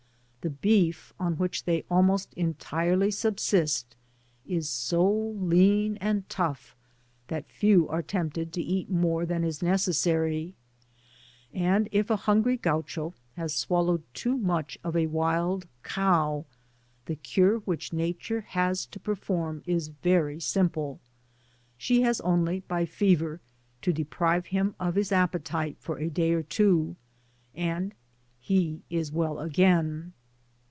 The beef on which they almost entirely subsist is so lean and tough, that few are tempted to eat more than is necessary, and if a hungry Gaucho has swallowed too much of a wild cow, the cure which nature has to per form is very dmple. She has only by fever to de prive him of his ^petite for a day or two, and he is well again.